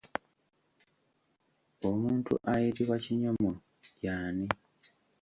Omuntu ayitibwa kinyomo y'ani?